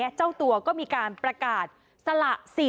ทีนี้จากรายทื่อของคณะรัฐมนตรี